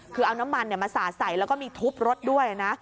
คือเอาน้ำมันมาสาดใส่แล้วก็มีทุบรถด้วยนะ